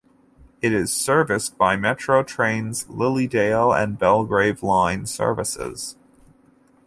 It is serviced by Metro Trains' Lilydale and Belgrave line services.